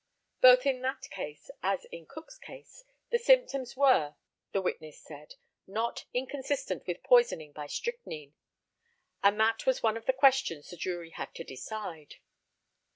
Both in that case, as in Cook's case, the symptoms were, the witness said, not inconsistent with poisoning by strychnine, and that was one of the questions the jury had to decide.